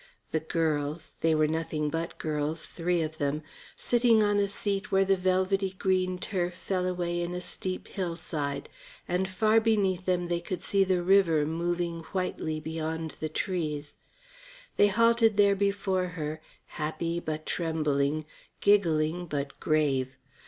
The girls they were nothing but girls, three of them found her out upon the lawn, sitting on a seat where the velvety green turf fell away in a steep hillside, and far beneath them they could see the river moving whitely beyond the trees. They halted there before her, happy but trembling, giggling but grave.